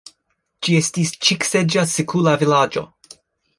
Ĝi estis ĉik-seĝa sikula vilaĝo.